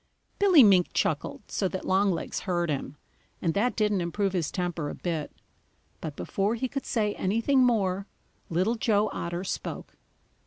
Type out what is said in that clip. Billy Mink chuckled so that Longlegs heard him, and that didn't improve his temper a bit. But before he could say anything more, Little Joe Otter spoke.